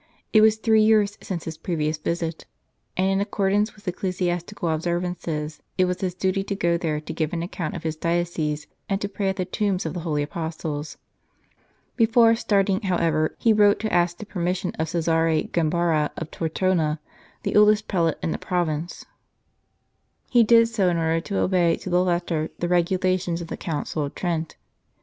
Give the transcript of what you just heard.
It was three years since his previous visit, and, in accordance with ecclesias tical observances, it was his duty to go there to give an account of his diocese and to pray at the tombs of the holy Apostles. Before starting, however, he wrote to ask the permission of Cesare Gambara of Tortona, the oldest prelate in the province. He did so in order to obey to the letter the regulations of the Council of Trent.